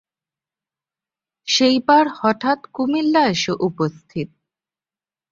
সেইবার হঠাৎ কুমিল্লা এসে উপস্থিত।